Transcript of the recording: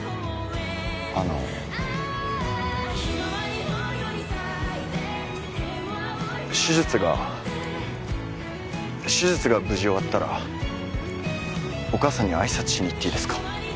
あの手術が手術が無事終わったらお母さんに挨拶しに行っていいですか？